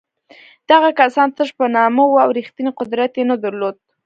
دغه کسان تش په نامه وو او رښتینی قدرت یې نه درلود.